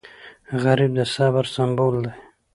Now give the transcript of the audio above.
غریب د صبر سمبول دی